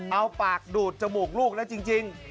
เอาปากดูดจมูกลูกแล้วจริง